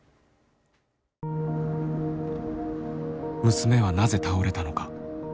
娘はなぜ倒れたのか。